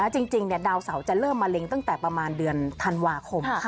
จริงดาวเสาจะเริ่มมะเร็งตั้งแต่ประมาณเดือนธันวาคม